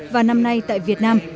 và năm nay tại việt nam